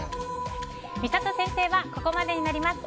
みさと先生はここまでになります。